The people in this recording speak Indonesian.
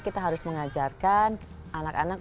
kita harus mengajarkan anak anak